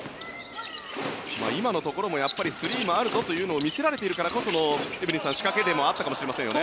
今のところもスリーもあるぞというところを見せられているからこそのエブリンさん仕掛けだったかもしれませんね。